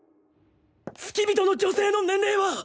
付き人の女性の年齢は？